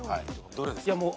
どれですか？